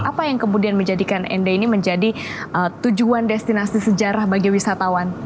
apa yang kemudian menjadikan nd ini menjadi tujuan destinasi sejarah bagi wisatawan